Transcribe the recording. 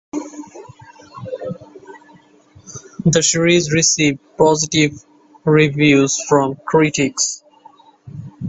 The series received positive reviews from critics.